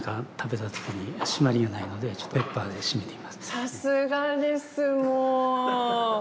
さすがですもう！